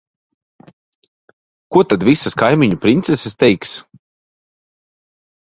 Ko tad visas kaimiņu princeses teiks?